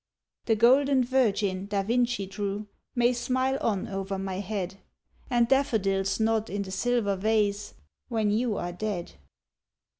The golden Virgin da Vinci drew May smile on over my head, And daffodils nod in the silver vase When you are dead.